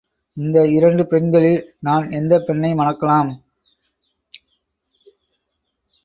இந்த இரண்டு பெண்களில் நான் எந்தப் பெண்ணை மணக்கலாம்?